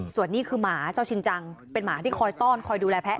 ส่วนนี้คือหมาเจ้าชินจังเป็นหมาที่คอยต้อนคอยดูแลแพะ